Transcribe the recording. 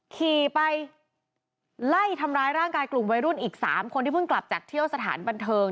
ขี่ไปไล่ทำร้ายร่างกายกลุ่มวัยรุ่นอีก๓คนที่เพิ่งกลับจากเที่ยวสถานบันเทิง